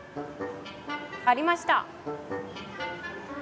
ありました！